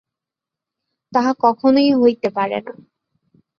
তাহা কখনই হইতে পারে না।